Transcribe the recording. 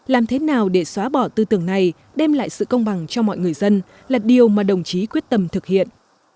làm thế nào để xóa bỏ tư tưởng này đem lại sự công bằng cho mọi người dân là điều mà đồng chí quyết tâm thực hiện